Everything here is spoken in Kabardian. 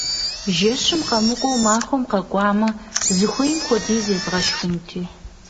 Жэщым къэмыкӀуэу махуэм къакӀуэмэ, зыхуейм хуэдиз езгъэшхынти!